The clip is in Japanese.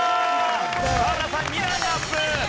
河村さん２段アップ！